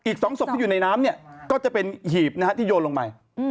อีก๒ศพที่อยู่ในน้ำเนี่ยก็จะเป็นหีบที่โยนลงไป